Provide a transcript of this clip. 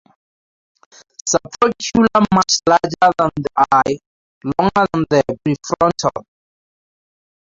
Supraocular much larger than the eye, longer than the prefrontal.